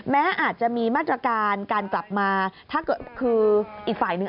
แม้อาจจะมีมาตรการการกลับมาถ้าเกิดคืออีกฝ่ายหนึ่ง